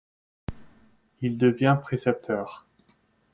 Il devient précepteur.